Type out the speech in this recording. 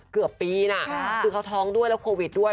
เกือบปีนะคือเขาท้องด้วยแล้วโควิดด้วย